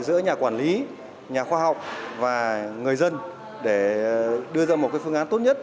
giữa nhà quản lý nhà khoa học và người dân để đưa ra một phương án tốt nhất